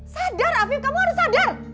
sadar afif kamu harus sadar